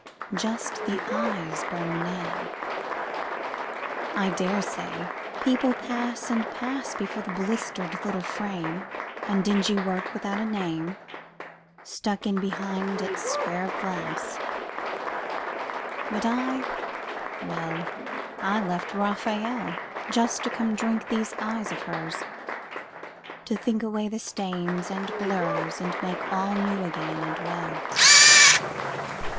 Just the eyes burn now. I dare say people pass and pass Before the blistered little frame, And dingy work without a name Stuck in behind its square of glass. But I, well, I left Raphael Just to come drink these eyes of hers, To think away the stains and blurs And make all new again and well.